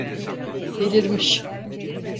Delirmiş!